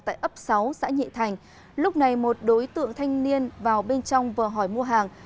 tại ấp sáu xã nhị thành lúc này một đối tượng thanh niên vào bên trong vừa hỏi mua hàng